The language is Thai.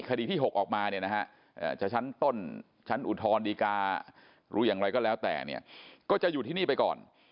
คดีที่๖ออกมาเนี่ยนะฮะจะชั้นต้นชั้นอุทธรณดีกาหรืออย่างไรก็แล้วแต่เนี่ยก็จะอยู่ที่นี่ไปก่อน